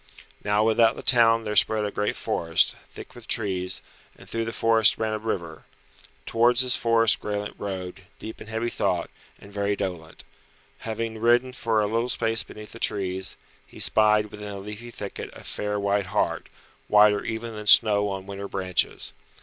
Now without the town there spread a great forest, thick with trees, and through the forest ran a river. Towards this forest Graelent rode, deep in heavy thought, and very dolent. Having ridden for a little space beneath the trees, he spied within a leafy thicket a fair white hart, whiter even than snow on winter branches.